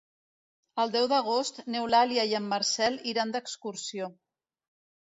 El deu d'agost n'Eulàlia i en Marcel iran d'excursió.